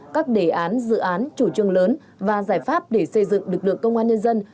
các đề án dự án chủ trương lớn và giải pháp để xây dựng lực lượng công an nhân dân